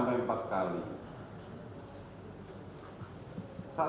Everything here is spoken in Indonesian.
melihat ya melihat